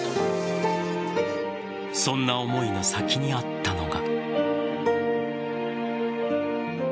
そんな思いの先にあったのが。